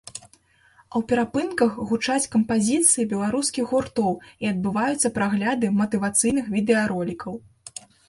А ў перапынках гучаць кампазіцыі беларускіх гуртоў і адбываюцца прагляды матывацыйных відэаролікаў.